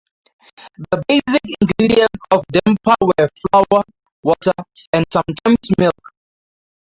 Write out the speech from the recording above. The basic ingredients of damper were flour, water, and sometimes milk.